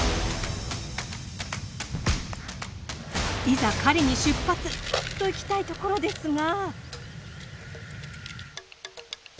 「いざ狩りに出発！」といきたいところですが。